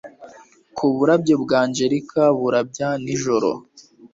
kuburabyo bwa angelica burabya nijoro